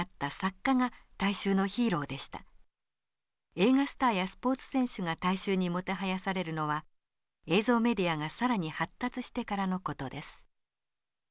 映画スターやスポーツ選手が大衆にもてはやされるのは映像メディアが更に発達してからの事です。